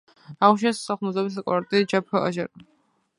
აღნიშნავს სახლ-მუზეუმის კურატორი – ჯეფ ჯერომი.